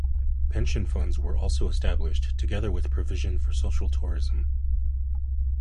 Pension funds were also established, together with provision for social tourism.